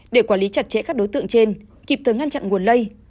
để quản lý chặt chẽ các đối tượng trên kịp thời ngăn chặn nguồn lây